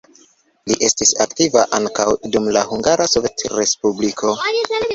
Li estis aktiva ankaŭ dum la Hungara Sovetrespubliko.